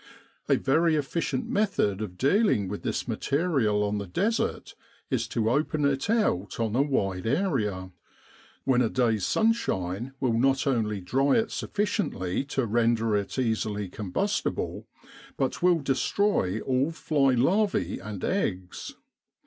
A very efficient method of dealing with this material on the Desert is to open it out on a wide area, when a day's sunshine will not only dry it sufficiently to render it easily combustible, but will destroy all fly larvae and eggs.